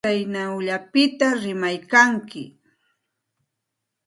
Tsaynawllapita rimaykanki.